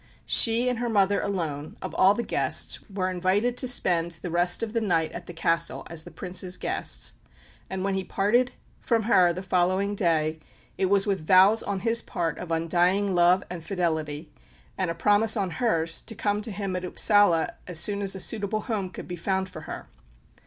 She and her mother alone, of all the guests, were invited to spend the rest of the night at the castle as the Prince's guests; and when he parted from her the following day, it was with vows on his part of undying love and fidelity, and a promise on hers to come to him at Upsala as soon as a suitable home could be found for her.